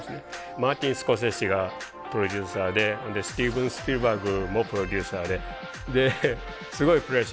マーティン・スコセッシがプロデューサーでスティーブン・スピルバーグもプロデューサーでですごいプレッシャーの中でやったんですけど。